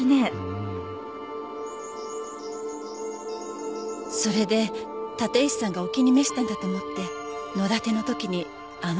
うんそれで立石さんがお気に召したんだと思って野だてのときにあの茶わんにお茶を。